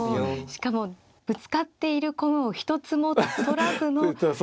しかもぶつかっている駒を一つも取らずの。